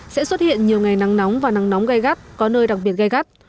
sẽ xuất hiện nhiều ngày nắng nóng và nắng nóng gai gắt có nơi đặc biệt gai gắt